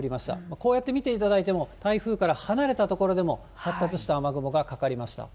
こうやって見ていただいても、台風から離れた所でも、発達した雨雲がかかりました。